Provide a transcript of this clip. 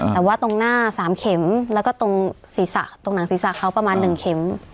แต่ว่าตรงหน้า๓เข็มแล้วก็ตรงศีรษะตรงหนังศีรษะเขาประมาณ๑เข็ม